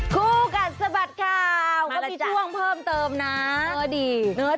คู่กัดสะบัดข่าวก็มีช่วงเพิ่มเติมนะเออดี